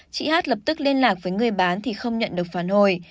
chị hát lập tức liên lạc với người bán thì không nhận được phản hồi